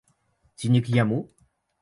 Ці не к яму?